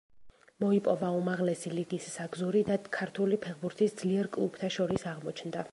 მოიპოვა უმაღლესი ლიგის საგზური და ქართული ფეხბურთის ძლიერ კლუბთა შორის აღმოჩნდა.